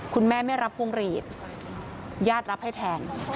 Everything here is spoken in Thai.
คุณแม่ไม่รับพวงหลีดญาติรับให้แทน